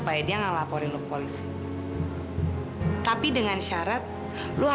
saya pergi dulu